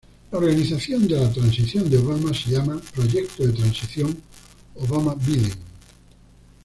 La organización de la transición de Obama se llama Proyecto de Transición Obama-Biden.